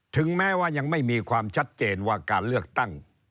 ถึงแม้ว่ายังไม่มีความชัดเจนว่าการเลือกตั้ง